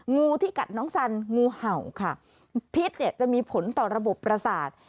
งูที่กัดน้องสันงูเห่าค่ะพิษเนี่ยจะมีผลต่อระบบประสาท